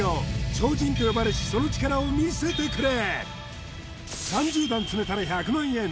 超人と呼ばれしその力を見せてくれ！